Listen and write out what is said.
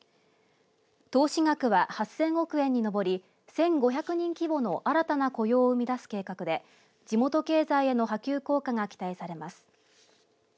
投資額は８０００億円に上り１５００人規模の新たな雇用を生み出す計画で地元経済への波及効果が期待されます。